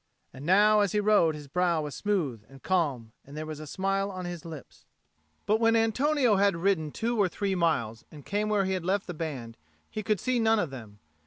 And now as he rode his brow was smooth and calm and there was a smile on his lips. But when Antonio had ridden two or three miles and came where he had left the band, he could see none of them.